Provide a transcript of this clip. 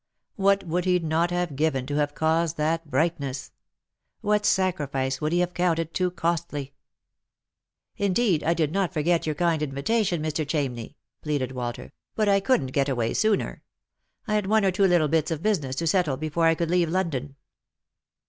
What would he not have given to have caused that brightness P What sacrifice would he have counted too costly ?" Indeed I did not forget your kind invitation, Mr. Chamney," pleaded Walter ;" but I couldn't get away sooner. I had one or two little bits of business to settle before I could leave London."